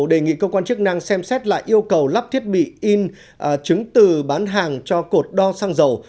đề nghị cơ quan chức năng xem xét lại yêu cầu lắp thiết bị in chứng từ bán hàng cho cột đo xăng dầu